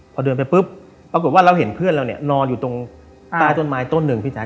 พอเดินไปปุ๊บปรากฏว่าเราเห็นเพื่อนเราเนี่ยนอนอยู่ตรงใต้ต้นไม้ต้นหนึ่งพี่แจ๊